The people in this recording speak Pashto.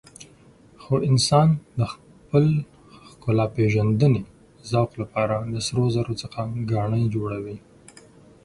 خو انسان د خپل ښکلاپېژندنې ذوق لپاره له سرو زرو څخه ګاڼې جوړوي.